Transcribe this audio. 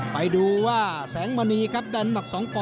ไปดูว่าแสงมณีครับดันหมัก๒ปอน